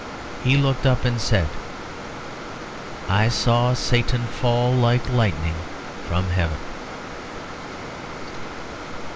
He looked up and said, "I saw Satan fall like lightning from heaven."